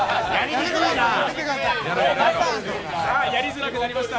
さあやりづらくなりました、